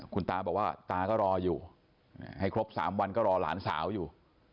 คุณตาบอกว่าตาก็รออยู่ให้ครบ๓วันก็รอหลานสาวอยู่